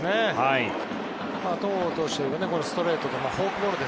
戸郷投手はストレートとフォークボール。